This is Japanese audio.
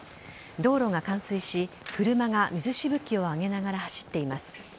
道路が冠水し車が水しぶきを上げながら走っています。